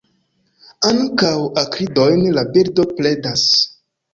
Ankaŭ akridojn la birdo predas.